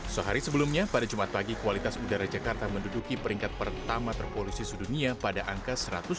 sehari sebelumnya pada jumat pagi kualitas udara jakarta menduduki peringkat pertama terpolusi sedunia pada angka satu ratus dua puluh